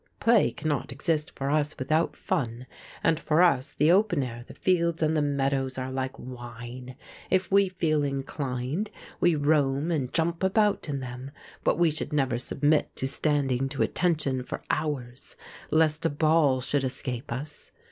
Play cannot exist for us without fun, and for us the open air, the fields, and the meadows are like wine: if we feel inclined, we roam and jump about in them, but we should never submit to standing to attention for hours lest a ball should escape us.